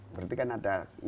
berarti kan ada